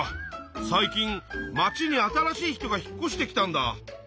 最近まちに新しい人が引っこしてきたんだ。